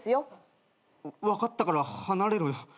分かったから離れろよ。